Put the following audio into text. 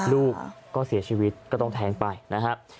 ลูกก็เสียชีวิตก็ต้องแทงไปนะครับ